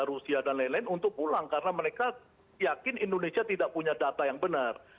rusia dan lain lain untuk pulang karena mereka yakin indonesia tidak punya data yang benar